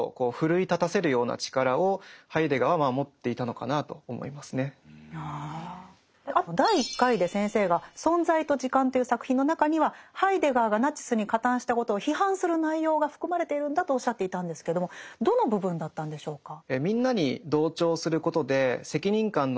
だからある種あと第１回で先生が「存在と時間」という作品の中にはハイデガーがナチスに加担したことを批判する内容が含まれているんだとおっしゃっていたんですけどもどの部分だったんでしょうか。